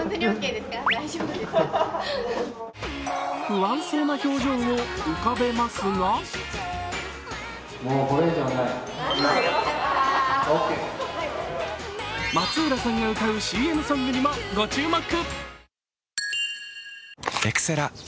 不安そうな表情を浮かべますが松浦さんが歌うＣＭソングにもご注目。